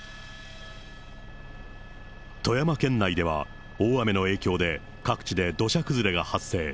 富山県内では、大雨の影響で各地で土砂崩れが発生。